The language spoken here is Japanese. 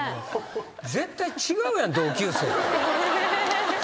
絶対違うやん同級生と。